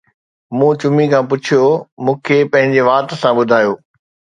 مون چمي کان پڇيو، مون کي پنهنجي وات سان ٻڌايو